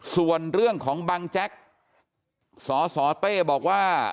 ส่วนเรื่องของบังแจ๊กสสเต้บอกว่า